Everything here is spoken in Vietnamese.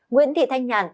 nguyễn thị thanh nhàn